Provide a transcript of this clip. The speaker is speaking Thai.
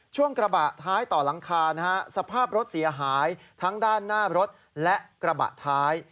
ช่วงกระบะท้ายต่อหลังคานะฮะสภาพรถเสียหายทั้งด้านหน้ารถและกระบะท้าย